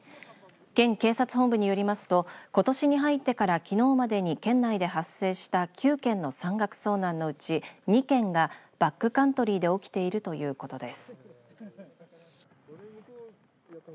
県警察本部によりますとことしに入ってからきのうまでに県内で発生した９件の山岳遭難のうち２件がバックカントリーで起きているということです。